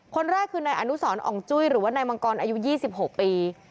คนแรกคือนายอนุสรอ่องจุ้ยหรือว่านายมังกรอายุ๒๖ปี